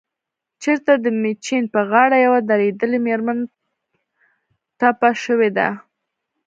چرته دمیچن په غاړه يوه دردېدلې مېرمن ټپه شوې ده